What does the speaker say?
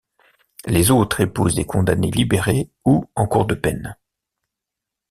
Les autres épousent des condamnées libérées ou en cours de peine.